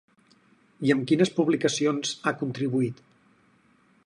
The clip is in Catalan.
I amb quines publicacions ha contribuït?